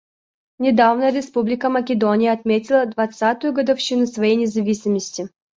Недавно Республика Македония отметила двадцатую годовщину своей независимости.